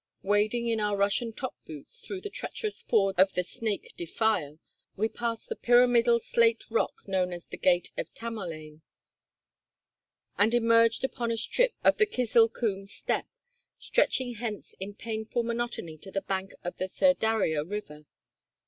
Wading in our Russian top boots through the treacherous fords of the "Snake" defile, we passed the pyramidal slate rock known as the "Gate of Tamerlane," and emerged upon a strip of the Kizil Kum steppe, stretching hence in painful monotony to the bank of the Sir Daria river.